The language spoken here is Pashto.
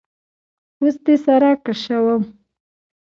وس دي سره کشوم